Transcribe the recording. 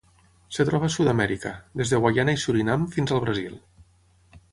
Es troba a Sud-amèrica: des de Guaiana i Surinam fins al Brasil.